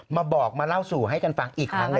มาบอกมาเล่าสู่ให้กันฟังอีกครั้ง